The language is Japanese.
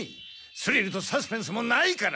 スリルとサスペンスもないから！